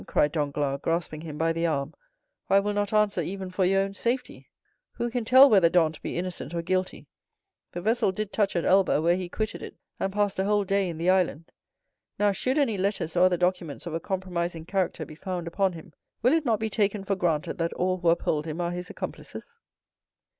cried Danglars, grasping him by the arm, "or I will not answer even for your own safety. Who can tell whether Dantès be innocent or guilty? The vessel did touch at Elba, where he quitted it, and passed a whole day in the island. Now, should any letters or other documents of a compromising character be found upon him, will it not be taken for granted that all who uphold him are his accomplices?"